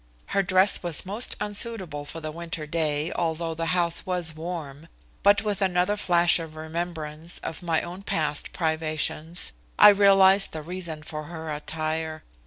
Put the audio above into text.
Her dress was most unsuitable for the winter day, although the house was warm, but with another flash of remembrance of my own past privations, I realized the reason for her attire.